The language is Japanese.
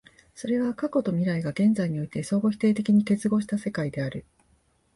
それは過去と未来が現在において相互否定的に結合した世界である。